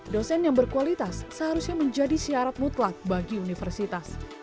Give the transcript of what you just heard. dosen yang berkualitas seharusnya menjadi syarat mutlak bagi universitas